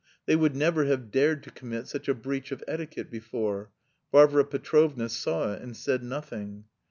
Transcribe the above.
They would never have dared to commit such a breach of etiquette before. Varvara Petrovna saw it and said nothing.